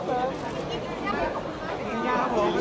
สวัสดีครับ